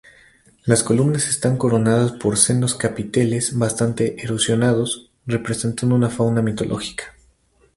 Las columnas están coronadas por sendos capiteles bastante erosionados, representando una fauna mitológica.